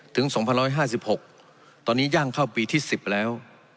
ตอนนี้ย่างเข้าปีที่๑๐แล้ว